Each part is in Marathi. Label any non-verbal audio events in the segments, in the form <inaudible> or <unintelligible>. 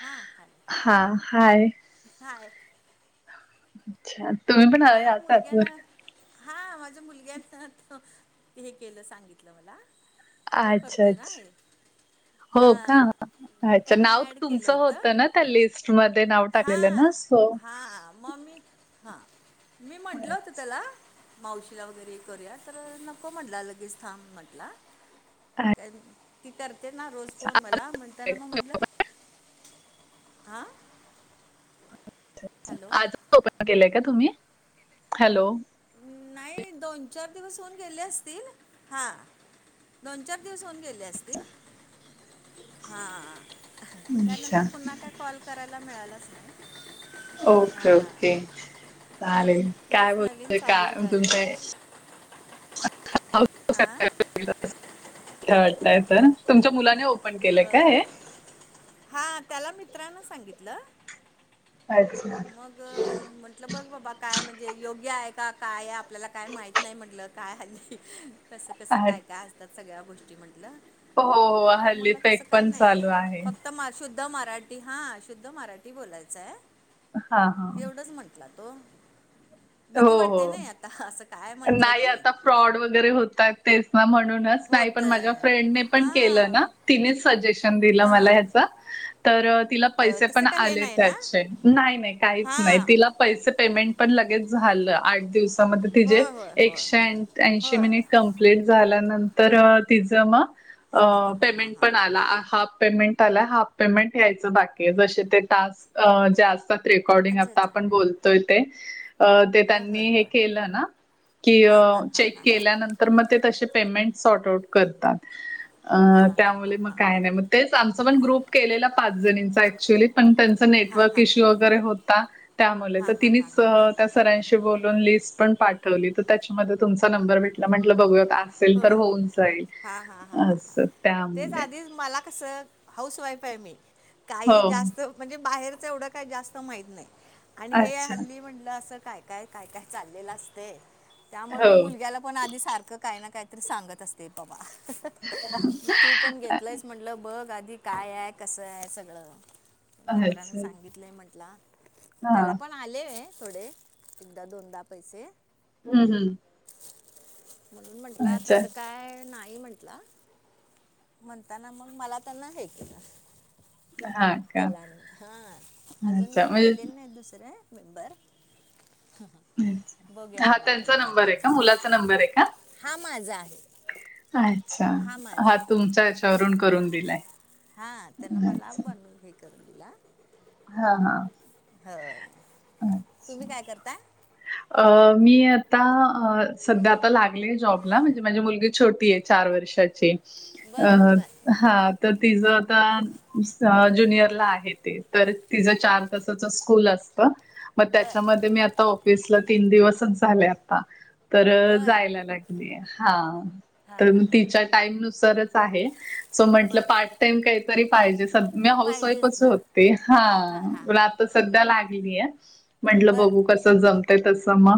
हा. हा. हाय हाय अच्छा! तुम्ही पण आ <unintelligible> वर हा. माझ्या मुलग्यांच. ते हे केलं सांगितलं मला तो अच्छा करतोय ना अच्छा हे हा हो का मग अच्छा त्यांना नाव ऍड केलं तुमचं होत होतं ना त्या लिस्ट मध्ये नाव हा टाकलेलं ना सो हा. मग हा. मी म्हंटलं होतं अच्छा त्याला मावशीला वगैरे करूया, तर नको म्हटला लगेच थांब म्हटला. <unintelligible> ती करते ना रोज फोन मला म्हणताना मग अच्छा, म्हटलं हा आज ओपन केलंय का तुम्ही? हॅलो! नाही दोन चार दिवस होऊन गेले असतील. हा. दोन चार दिवस होऊन गेले. असतील. हा. अच्छा त्यानंतर हा पुन्हा काय कॉल करायला मिळालं अस ओके ओके चालेल. काय हेच नवीन बोल चालू काय झालं तुमच्या आहे <inaudible> अ <unintelligible> तुमच्या मुलाने केलंय का बर. हे हा. त्याला मित्रानं सांगितलं. <unintelligible> अ म्हटलं बघ बाबा काय म्हणजे योग्य आहे का काय? आपल्याला काय माहित नाही म्हटलं. काय आहे कसं कसं काय काय अच्छा असतात सगळ्या गोष्टी म्हंटलं हो हो हल्लीच तसं काय नाही. फक्त शुद्ध मराठी हा शुद्ध मराठी बोलायचंय. हा हा एवढंच म्हंटला तो. भीती हो वाटते हो नाही आता असं काय म्हंटलं नाही की. आता फ्रॉड वगैरे होतात तेच ना, म्हणूनच नाही होत पण माझ्या आहे. फ्रेंडे पण केलं ना. हां तिनेच सजेशन दिलं हां मला हां ह्याचा तर तिला हो पैसे तसं पण काय हे आले नाही ना त्याचे. नाही नाही. काहीच नाही हां तिला पैसे पेमेंट पण लगेच झाल. आठ दिवसामध्ये तिचे होय होय होय एकशे ऐंशी होय मिनिट कम्पि <unintelligible> झाल्यानंतर तिच हां हां हां मग हां हां पेमेंट हां पण हां आला हा पेमेंट आला, हाफ पेमेंट यायच बाकी आहे. जशे ते टास्क जे असतात रेकॉर्डिंग अच्छा आता अच्छा आपण बोलतोय ते अ ते हां होय त्यांनी हे होय केलं ना, की हां हां हां चेक हां हां केल्यानंतर नंतर मग ते तशे पेमेंट सॉर्ट आऊट करतात. अ हां त्यामुळे हां मग हां हां काय हां नाही. मग तेच आमचा पण ग्रुप केलेला पाच जणींचा ऍक्च्युली पण त्यांचा हां हां नेटवर्क हां इश्यू वगैरे होता त्यामुळे तर हां हां तिनिच हां हां सरांशी बोलून लिस्ट पण पाठवली तर त्याच्यामध्ये तुमचा नंबर भेटला म्हटलं बघूया आज तर असेल तर होय होऊन जाईल. हां हां हां हां हां अस तेच त्यामुळे आधीच मला कसं हाऊस वाईफ आहे मी हो काही जास्त म्हणजे बाहेरचं एवढं काही जास्त माहीत नाही आणि हे अच्छा हल्ली म्हटलं असं काय. काय, काय, काय चाललेलं असतय त्यामुळे हो मी मुलग्याला पण आधी सारखं काही ना काहीतरी सांगत अस ते पवा म तूप पण घेतलंयसं म्हटलं बघ आधी काय आहे, कसं आहे सगळं. मित्रांने अच्छा सांगितलंय म्हंटला हां त्याला पण आलेये थोडे, एकदा दोनदा पैसे. हूं हूं! म्हणून म्हटला, अच्छा तसं काय नाही म्हटला. म्हणताना मग मला त्यांना हे केलं. हां का त्याला आणि हा अजून अच्छा मी म्हणजे केलेले नाही दुसरे मेंबर. बघूया हा मग आता त्यांचा विचार नंबर आहे का, करायचा मुलाचा नंबर आहे का? हा माझा आहे अच्छा माझा हा आहे तुमच्या यांच्यावरून करून दिलाय. हा त्यांन मला अच्छा बनून हे करून दिला. हा हा होय, अच्छा तुम्ही काय करता? अ मी आता अ. सध्या आता लागलेय जॉबला, म्हणजे माझी मुलगी छोटी आहे चार वर्षाची. अ बर बर हा तर तिच हां आता ज्युनियरला आहे ते. तर तिचं चार तासाच स्कूल असत. मग बर त्याच्यामध्ये मी आता ऑफिसला तीन दिवसच झाले आता, तर होय जायला लाग लीय हा हां तर म हां हां तिच्या टाईम नुसारच आहे. स म्हंटलं बर पार्ट टाइम काहीतरी पाहिजे, स मी हाऊस पाहिजेच वाईफच ना होत ते हा हां हां म हां आता हां सध्या लागलीय. म्हंटलं बर बघू बर कस बर जमतय तसं म,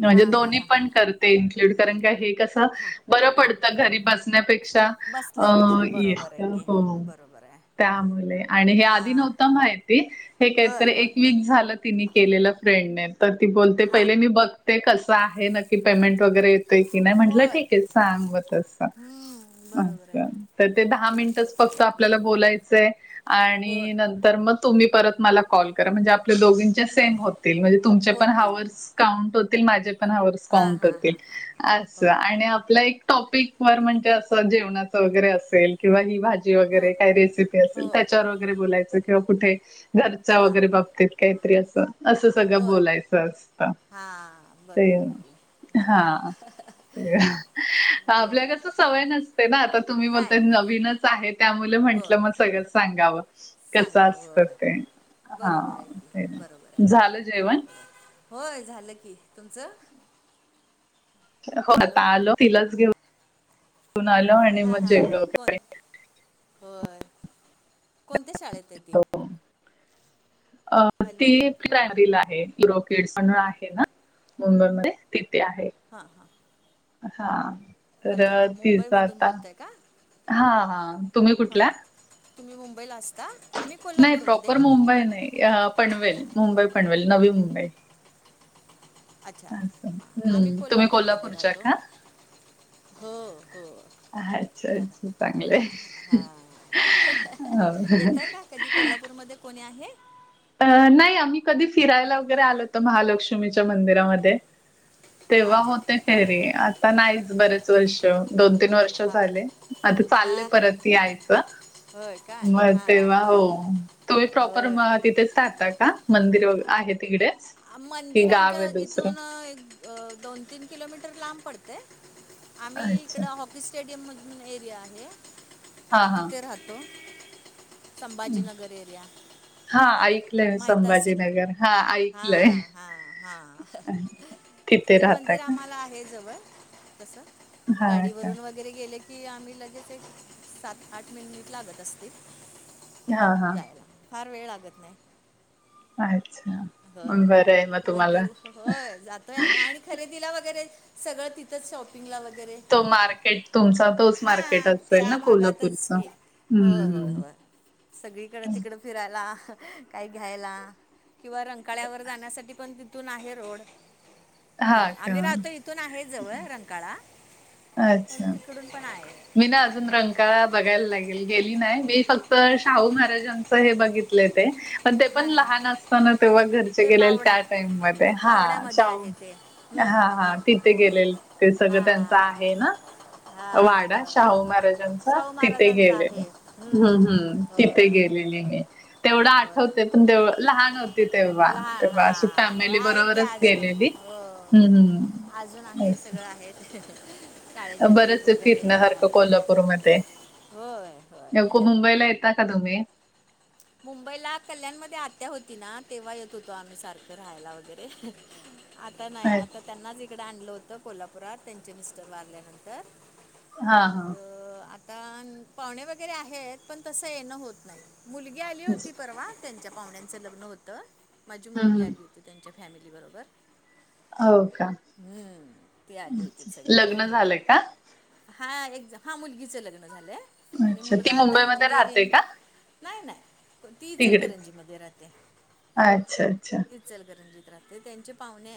म्हणजे हां हां दोन्ही हां हां पण कर ते इनक्लूड करणं काय हे कस. हां बर हां पडत घरी बसण्यापेक्षा बसल्यापेक्षा बरोबर आहे की अ. बरोबर आहे त्यामुळे आणि हे आधी हां नव्ह व्हतं माहिती हे होय काहीतरी होय एक वीक झालं, तिणी केलेलं फ्रेंडने. त ती बोलते हां पहिले मी बघते कसं आहे, नक्की पेमेंट वगैरे येतय की नाही, म्हटलं होय ठीक. ये ते सांग म तस हम्म, बरोबर आहे असं ते दहा मिनट फक्त आपल्याला बोलायचंय हो आणि नंन तर मग तुम्ही परत मला कॉल करा, म्हणजे आपल्या दोघींच्या सेम होतील, म्हणजे तुमचे पण होतील हावर्स. काउंट होतील, माझे पण हावर्स हां काउंट हां होतील, हां हां हां अस हो आणि आपला एक टॉपिक वर म्हणजे असं जेवणाच वगैरे असेल, किंवा ही भाजी जी हो वैगैरे काय रेसीपी हो असेल त्याच्यावर वैगरे बोलायचं किंवा कुठे घरचा हां वैगरे बाबतीत. काहीतरी असं, असं हो सगळं बोलायचं असतं. हां ते बरोबर आहे की हा हां ते आपल्या बोले कस सवय नस ते ना आता तुम्ही बोलता नाही य नवीनच आहे त्या मुले हो म्हंटलं म सगळं सांगावं कसं सांगा असतं वं ते हा बरोबर आहे की, ते बरोबर आहे, झालं जेवण बरोबर. होय झालं की तुमचं? हो हॅलो आता आलो, तिलाच घेऊन, ऊन आल आणि हा मग हा जेवलो हा कोण वगैरे होय कोणत्या शाळेत. आहे ती अ हॅलो ती. प्रायमरीला आहे ती रॉकिडसं पण आहे ना मुंबई मध्ये तिथे आहे. हां हां! हा तर अच्छा तिच मुंबईमधून आता बोलताय का हा हा तुम्ही हां कुठल्या? तुम्ही मुंबईला असता. आम्ही नाही कोल्हापूरमध्ये प्रॉपर मुंबई नाही पनवेल मुंबई पनवेल नवी मुंबई. अच्छा असं आम्ही हम्म तुम्ही कोल्हापूरमध्ये कोल्हापूरच्या राहतो का? हो हो. अच्छा अच्छा चांगलंय. हा हो. येतय का कधी? कोल्हापूरमध्ये कोणी आहे? अ नाही आम्ही कधी फिरायला वगैरे आलो होतो महालक्ष्मीच्या मंदिरामध्ये. तेव्हा अच्छा होते अच्छा फेरी आता नाहीच बरेच वर्ष दोन तीन वर्ष. आताच हां आले आता चालय हां परत यायचं. होय काय मग हां हां तेव्हा हां हो हां तुही प्रॉपर होय म तिथेच राहता का मंदिर व आहे तिकडेच. कि मंदिर गाव आहे आमच्या दुसरं इथून एक दोन तीन किलोमीटर लांब पडते. आम्ही अच्छा इकडं हॉकी स्टेडियमधून एरिया आहे. हा हा. तिथ राहतो. संभाजीनगर एरिया हा ऐकलंय माहित असेल. संभाजीनगर हा आई. हा हा हा तिथे तरी राहता मंदिर आम्हाला. का? आम्हाला आहे जवळ तस हा का गाडीवरून. वगैरे गेले की आम्ही लगेच एक सात आठ मिनिट लागत असतील. हा हा जायला फार वेळ लागत नाही. अच्छा! बरं आहे मग हय तुम्हाला मंदिर हय जातोय आम्ही आणि खरेदीला वगैरे सगळं तिथंच शॉपिंगला वगैरे. तो मार्केट तुमचा तोच मार्केट हां असेल त्या ना भागातच कोल्हापूरचा. की होय होय हम्म होय सगळीकडे हम्म तिकड फिरायला काही घ्यायला. किंवा रंकाळ्यावर जाण्यासाठी पण तिथून आहे रोड. ह हा का आम्ही राहतो इथून आहे जवळ रंकाळा. पण अच्छा! तिकडून पण आहे मी ना अजून रंकाळा बघायला नाय गेली नाही मी फक्त शाहू महाराजांचं हे बघितले ते. पण ते पण हां हां लहान असताना तेव्हा घरचे ते गेले बावडा त्या टाइम मध्ये हा बावड्यामध्ये शाहु आहे ते हं, हा हा हां तिथे गेलेलो ते सगळं त्यांचं हां आहे ना. हां वाडा शाहू होय महाराजांचा शाहू तिथे महाराजांचं गेलेलो आहे हं, हम्म हं, हम्म. तिथे होय गेलेले मी तेवढं हां होय आठवत. तेव लहान होती तेव्हा लहान तेव्हा अशी हां होय फॅमिली आहे की बरोबरच अजून गेलेली हो हम् हम्. अजून आहे सगळं आहे. काळ्याच्या ट्रीप बरेच वगैरे फिरण्यासारखं येतात कोल्हापूरमध्ये आहे. होय नको होय मुंबईला येता का तुम्ही. मुंबईला कल्याणमध्ये आत्या होती ना तेव्हा येत होतो आम्ही सारखं राहायला वगैरे. आता नाही अच्छा आता त्यांनाच इकडे आणलं होतं कोल्हापुरात त्यांचे मिस्टर वारल्यानंतर. हा मग हा आता पाहणे वगैरे आहेत पण तसं येणं होत नाही. मुलगी आली होती परवा त्यांच्या पाहुण्यांचं लग्न होतं माझी मुलगी हम्म आली होती. त्यांच्या फॅमिली बरोबर. हो का. हम्म ती आली होती अच्छा. लग्न सगळी. झालंय का? हा एक हा मुलगीच लग्न झालंय आणि अच्छा मुलगा ती आता मुंबईमध्ये राहते इंजिनिअरिंग. का? नाही नाही ती तिकडेच इचलकरंजी मध्ये राहते. अच्छा अच्छा इचलकरंजीत राहते त्यांचे पाहुणे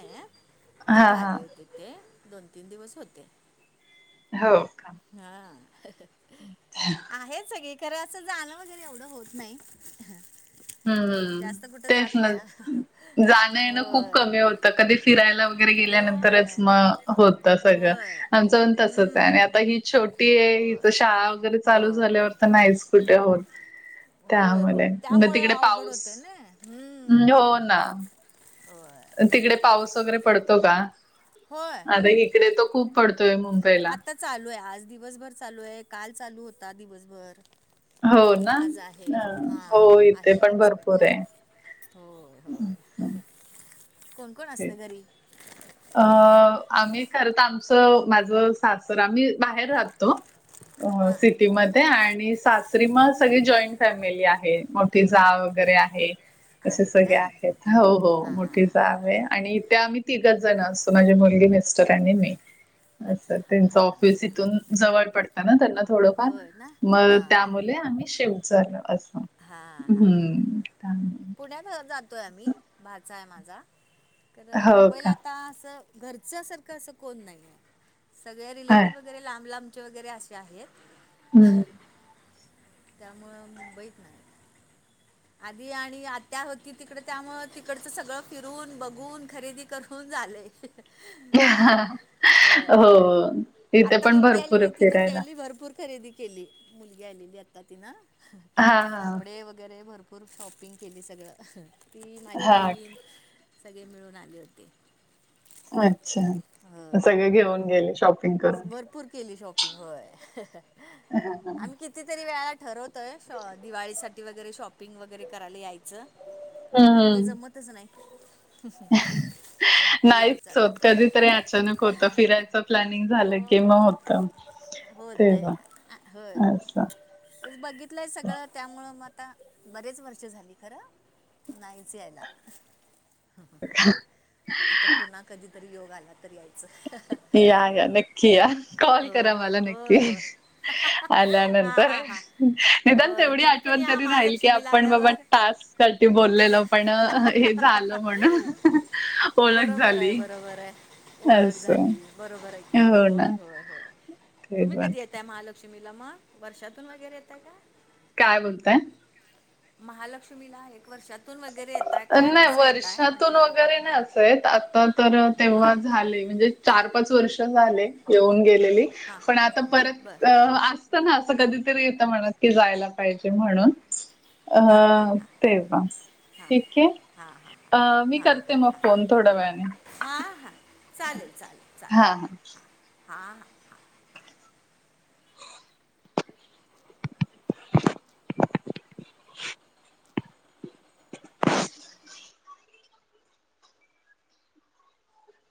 तिथे हा हा आले होती. ते दोन तीन दिवस होते. हो का हा हम आहेत सगळी खर असं जाणं वगैरे एवढं होत नाही. हम्मम जास्त कुठं तेच जात ना नाही जाणं येण खूप होय कमी होत. आता कधी फिरायला वगैरे गेल्यानंतरच होय मग होत सगळं होय आमचं पण तसच आहे हम्म आणि आताही छोटी हो आहे हिच शाळा वगैरे चालू होय झाल्यावर तर नाहीच कुठे होत. होय होय त्यामुळे मग त्यामुळ तिकडे अवघड पाऊस होते ना हम्म हो ना मग होय. तिकडे पाऊस वगैरे पडतो का होय होय आता इकडे तो खूप पडतोय मुंबईला आत्ता चालू आहे आज दिवसभर चालू आहे काल चालू होता दिवसभर हो ना आज आहे हां हो इथे आहे पण आज भरपूर आहे. होय होय हं, कोण कोण असत तेच घरी अ आम्ही खरं तर आमचं माझं सासर आम्ही बाहेर राहतो हां सिटीमध्ये ते आणि सासरी म सगळी जॉईंट फॅमिली आहे मोठी जाव वगैरे आहे. असे आहेत का सगळे आहेत हो हो हां हां मोठी हां जाव आहे आणि ते आम्ही तिची जण असतो माझी मुलगी मिस्टर आणि मी अच्छा असं हां त्यांच हां हां ऑफिस इथून जवळ पडतं ना त्यांना थोडंफार होय ना मग हां हां त्यामुळे आम्ही शिफ्ट झालो अस हां हां हां हम्म पुण्यात जातो आहे आम्ही भाचा आहे माझा तर हो मुंबईला का? आता असं घरच्या सारखं असं कोण नाही आहे सगळ्या रिलेटिव्ह वगैरे लांब लांबचे वगैरे असे आहेत. हम्म. त्यामुळं मुंबईत नाही. आधी आणि आत्या होती तिकड त्यामुळं तिकडचं सगळं फिरून बघून खरेदी करून झालंय. <inaudible> हो इथे आता पण मुलगी भरपूर आहे आलेली तिन फिरायला. केली भरपूर खरेदी केली मुलगी आलेली आता तिन हा हा. कपडे वगैरे भरपूर र शॉपिंग केली सगळं ती माझी हा बहीण का सगळे मिळून आले होते. अच्छा होय. सगळे घेऊन गेले शॉप भरपूर केली शॉपिंग होय आम्ही किती कितीतरी वेळाला ठरवतोय दिवाळीसाठी वगैरे शॉपिंग वगैरे करायला यायचं. हम्म पण ते हम्म. जमतच नाही. कधीतरी यायचं नाहीच आता कधीतरी अचानक होत फिरायचं. प्लॅनिंग झालं कि म होय होत हो तेव्हा आ- होय असं ते बघितलंय सगळं त्यामुळं मग आता बरेच वर्ष झाली खरं नाहीच यायला <inaudible> आता पुन्हा कधीतरी योग आला तरी याय या ग नक्की या कॉल होय करा मला नक्की होय होय हां आल्यानंतर हां हां निदान होय तेवढी तुम्ही पण आठवण या तरी राहील की महालक्ष्मीला आपण बाबा आल्यावर टास्क साठी बोललेलं पण हे झालं म्हणून ओळख झाली. बरय. ओळख असं झाली बरोबर आहे हो ना. होय होय होय ते तुम्ही पण कधी येताय मालक लक्ष्मीला म वर्षातून वगैरे येताय का काय बोलताय महालक्ष्मीला एक वर्षातून वगैरे येताय का नाही कसं येताय वर्षातून म्हटलं वगैरे नाही असं आता तर हां तेव्हा झाले म्हणजे चार पाच वर्ष झाले येऊन गेलेली हां पण आता बरं परत अ असत ना असं कधीतरी येत मनात की जायला पाहिजे म्हणून हां हां ह हां हां तेव्हा हां ठीक आहे हां हां अ मी हां करते हां मग फोन थोड्या वेळाने हां हां चालेल चालेल चालेल हा हा हां हां हां <inaudible>